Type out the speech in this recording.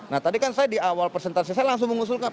nah tadi kan saya di awal persentase saya langsung mengusulkan